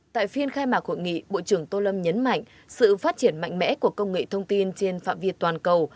tại phiên khai mạc hội nghị bộ trưởng tô lâm nhấn mạnh sự phát triển mạnh mẽ của công nghệ thông tin trên phạm việt toàn cầu